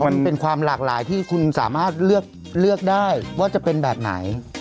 มันเป็นความหลากหลายที่คุณสามารถเลือกได้ว่าจะเป็นแบบไหน